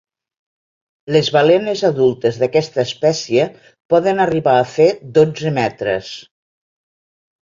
Les balenes adultes d’aquesta espècie poden arribar a fer dotze metres.